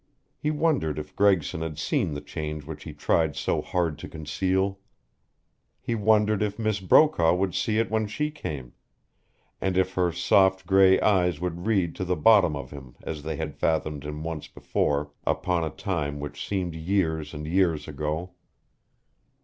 He wondered if Gregson had seen the change which he tried so hard to conceal. He wondered if Miss Brokaw would see it when she came, and if her soft, gray eyes would read to the bottom of him as they had fathomed him once before upon a time which seemed years and years ago.